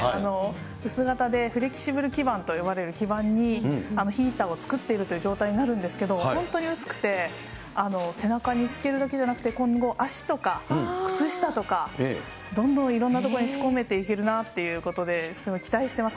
薄型で、フレキシブル基盤と呼ばれる基盤にヒーターを作っているという状態になるんですけれども、本当に薄くて、背中につけるだけじゃなくて、今後、足とか靴下とか、どんどんいろんな所に仕込めていけるなっていうことで、すごい期待してます。